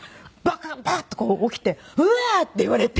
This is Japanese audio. バッと起きて「うわっ！」って言われて。